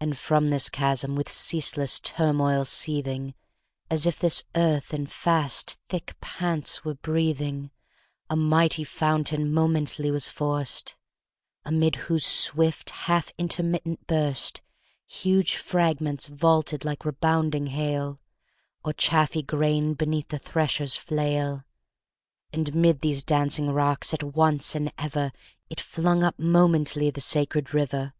And from this chasm, with ceaseless turmoil seething, As if this earth in fast thick pants were breathing, A mighty fountain momently was forced; Amid whose swift half intermitted burst 20 Huge fragments vaulted like rebounding hail, Or chaffy grain beneath the thresher's flail: And 'mid these dancing rocks at once and ever It flung up momently the sacred river.